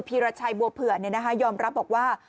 ีรชัยบัวเผื่อยอมรับบอกว่า